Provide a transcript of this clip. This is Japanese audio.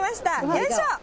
よいしょ。